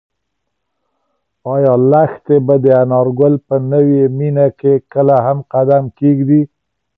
ایا لښتې به د انارګل په نوې مېنه کې کله هم قدم کېږدي؟